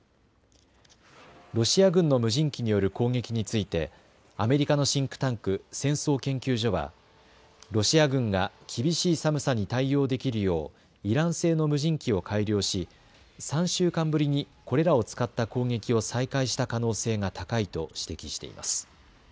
ロシア軍の無人機による攻撃についてアメリカのシンクタンク、戦争研究所はロシア軍が厳しい寒さに対応できるようイラン製の無人機を改良し、３週間ぶりにこれらを使った攻撃を再開した可能性が高いと指摘しています。